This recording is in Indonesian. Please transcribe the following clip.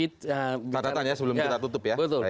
tata tata sebelum kita tutup ya